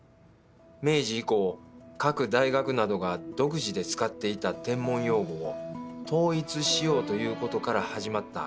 明治以降各大学などが独自で使っていた天文用語を統一しようということから始まったこの会議。